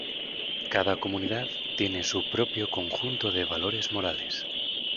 Cada comunidad tiene su propio conjunto de valores morales.